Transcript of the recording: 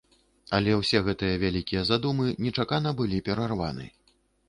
Але ўсе гэтыя вялікія задумы нечакана былі перарваны.